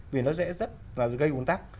vì nó sẽ rất là gây uốn tắc